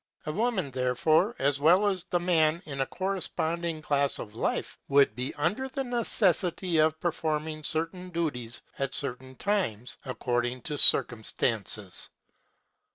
The woman, therefore, as well as the man in a corresponding class of life, would be under the necessity of performing certain duties at certain times according to circumstances.